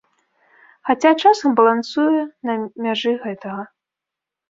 Хаця, часам балансуе на мяжы гэтага.